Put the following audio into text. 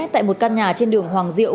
tại một căn nhà trên đường hoàng diệu